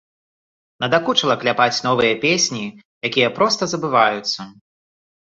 Надакучыла кляпаць новыя песні, якія проста забываюцца.